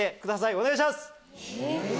お願いします。